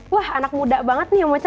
wah anak muda banget nih omocha